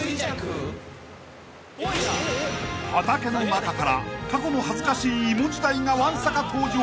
［畑の中から過去の恥ずかしいイモ時代がわんさか登場］